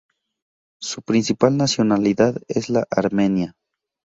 Su principal nacionalidad es la armenia.